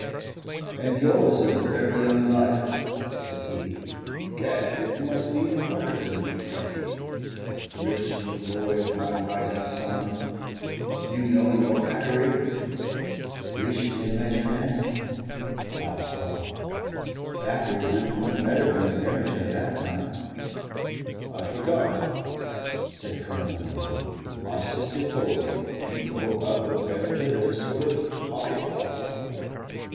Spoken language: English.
"And yours is a very young life," said he. "Gad! it must be wonderful to be twenty. 'Rich in the glory of my rising sun.' You know your Thackeray?" "'Riche de ma jeunesse,'" laughed Paul. "Thackeray went one better than Beranger, that time." "I forgot," said Colonel Winwood. "My sister told me. You go about with Beranger as a sort of pocket Bible."